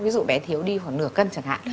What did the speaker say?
ví dụ bé thiếu đi khoảng nửa cân chẳng hạn